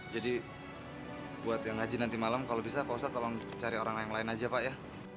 jadi buat yang haji nanti malam kalau bisa pak ustadz tolong cari orang lain aja pak ya